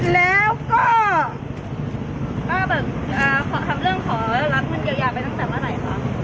แล้วก็ป้าแบบอ่าขอทำเรื่องขอรักมืนเยาหยาไปตั้งแต่เมื่อไหนคะ